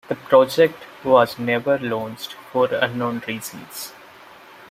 The project was never launched for unknown reasons.